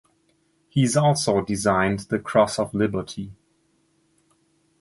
He is also designed the Cross of Liberty.